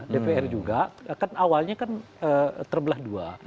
dpr juga kan awalnya kan terbelah dua